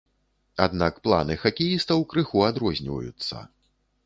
Аднак планы хакеістаў крыху адрозніваюцца.